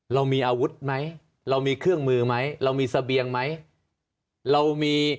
เรามีอาวุธไหมเรามีเครื่องมือไหมเรามีเสบียงไหมเรามี